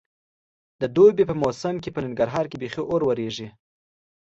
د دوبي په موسم کې په ننګرهار کې بیخي اور ورېږي.